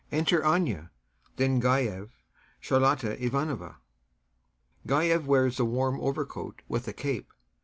[Enter ANYA, then GAEV, CHARLOTTA IVANOVNA. GAEV wears a warm overcoat with a cape.